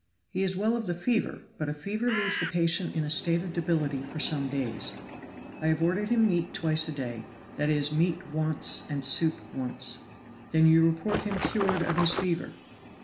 "He is well of the fever, but a fever leaves the patient in a state of debility for some days. I have ordered him meat twice a day that is, meat once and soup once." "Then you report him cured of his fever?"